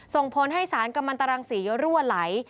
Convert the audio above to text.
ส่งผลให้สารกำลังตรังสีรั่วไหล